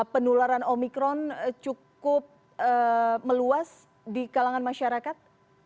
penularan omikron cukup meluas di kalangan masyarakat